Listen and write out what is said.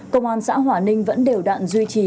công an xã hòa ninh vẫn đều đạn duy trì